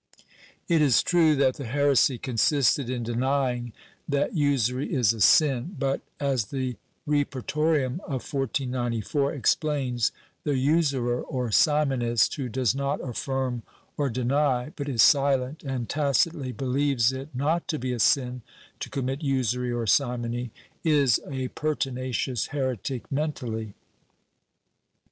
It is true that the heresy consisted in denying that usury is a sin, but, as the Repertorium of 1494 explains, the usurer or simonist, who does not affirm or deny but is silent and tacitly believes it not to be a sin to commit usury or simony, is a pertinacious heretic mentally.